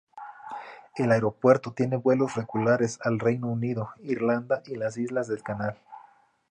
El aeropuerto tiene vuelos regulares al Reino Unido, Irlanda y las Islas del Canal.